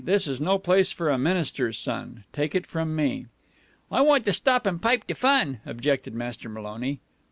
"This is no place for a minister's son. Take it from me." "I want to stop and pipe de fun," objected Master Maloney.